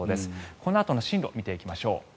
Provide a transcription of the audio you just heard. このあとの進路を見ていきましょう。